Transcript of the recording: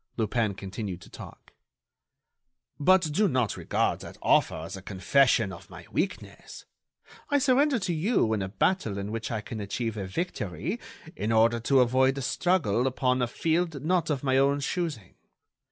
Lupin continued to talk: "But do not regard that offer as a confession of my weakness. I surrender to you in a battle in which I can achieve a victory in order to avoid a struggle upon a field not of my own choosing.